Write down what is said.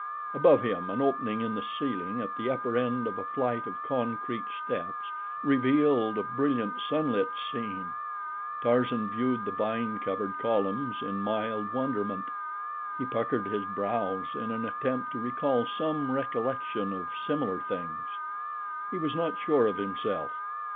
Above him an opening in the ceiling at the upper end of a flight of concrete steps revealed a brilliant sunlit scene. Tarzan viewed the vine covered columns in mild wonderment. He puckered his brows in an attempt to recall some recollection of similar things. He was not sure of himself.